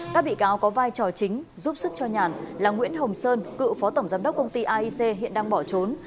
các bị cáo có vai trò chính giúp sức cho nhàn là nguyễn hồng sơn cựu phó tổng giám đốc công ty aic hiện đang bỏ trốn